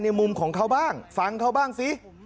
มุมของเขาบ้างฟังเขาบ้างสิ